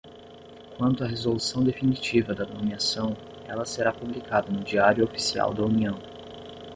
Quanto à resolução definitiva da nomeação, ela será publicada no Diário Oficial da União.